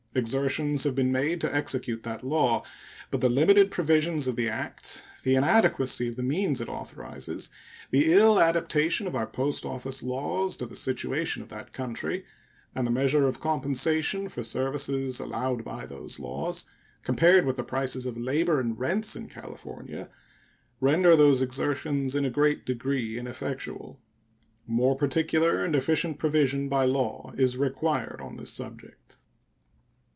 Exertions have been made to execute that law, but the limited provisions of the act, the inadequacy of the means it authorizes, the ill adaptation of our post office laws to the situation of that country, and the measure of compensation for services allowed by those laws, compared with the prices of labor and rents in California, render those exertions in a great degree ineffectual. More particular and efficient provision by law is required on this subject.